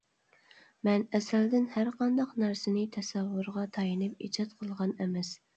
مەن ئەزەلدىن ھەرقانداق نەرسىنى تەسەۋۋۇرغا تايىنىپ ئىجاد قىلغان ئەمەس.